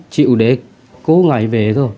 chịu để cố ngại về